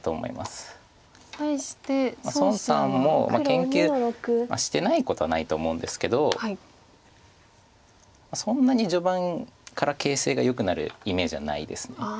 研究してないことはないと思うんですけどそんなに序盤から形勢がよくなるイメージはないです。